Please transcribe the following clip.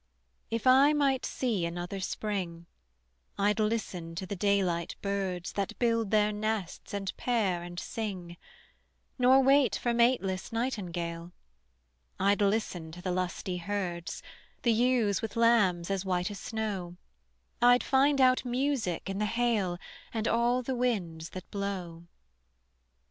If I might see another Spring I'd listen to the daylight birds That build their nests and pair and sing, Nor wait for mateless nightingale; I'd listen to the lusty herds, The ewes with lambs as white as snow, I'd find out music in the hail And all the winds that blow.